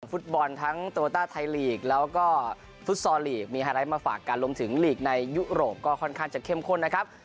ฟุตบอลทั้งโตโยต้าไทยลีกแล้วก็ฟุตซอลลีกมีไฮไลท์มาฝากกันรวมถึงลีกในยุโรปก็ค่อนข้างจะเข้มข้นนะครับ